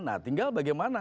nah tinggal bagaimana